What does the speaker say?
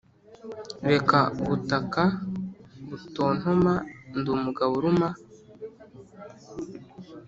reka ubutaka butontoma ndi umugabo uruma